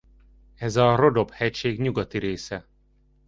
Ez a Rodope-hegység nyugati része.